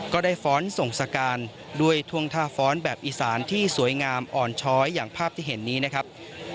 ก็ได้ฟ้อนส่งสการด้วยท่วงท่าฟ้อนแบบอีสานที่สวยงามอ่อนช้อยอย่างภาพที่เห็นนี้นะครับ